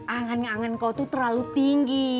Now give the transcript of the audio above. angan ngangan kau tuh terlalu tinggi